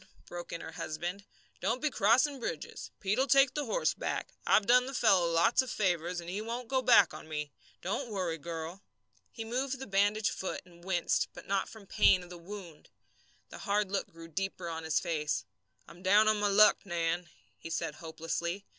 broke in her husband, "don't be crossing bridges. Pete'll take the horse back. I've done the fellow lots of favours, and he won't go back on me. Don't worry, girl!" He moved the bandaged foot and winced, but not from the pain of the wound. The hard look grew deeper on his face. "I'm down on my luck, Nan," he said, hopelessly.